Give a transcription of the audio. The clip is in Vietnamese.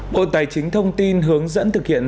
bộ tài chính thông tin hướng dẫn thực hiện